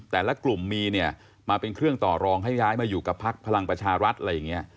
แต่ละกลุ่มมีเนี่ยมาเป็นเครื่องต่อรองให้ย้ายมาอยู่กับพักพลังประชารัฐอะไรอย่างนี้